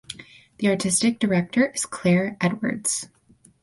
The artistic director is Claire Edwardes.